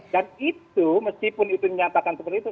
dan itu meskipun itu dinyatakan seperti itu